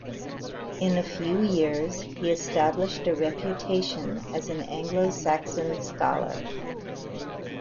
In a few years he established a reputation as an Anglo-Saxon scholar.